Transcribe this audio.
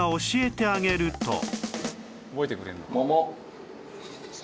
覚えてくれるの？